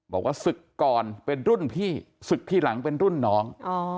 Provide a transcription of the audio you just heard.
บอกว่าศึกก่อนเป็นรุ่นพี่ศึกทีหลังเป็นรุ่นน้อง